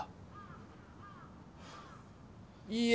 いいえ。